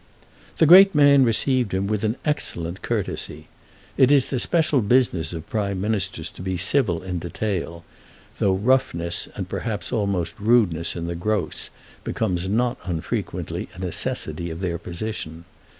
The great man received him with an excellent courtesy. It is the special business of Prime Ministers to be civil in detail, though roughness, and perhaps almost rudeness in the gross, becomes not unfrequently a necessity of their position.